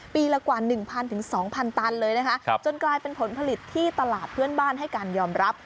ปีละกว่า๑๐๐๒๐๐ตันเลยนะคะจนกลายเป็นผลผลิตที่ตลาดเพื่อนบ้านให้การยอมรับ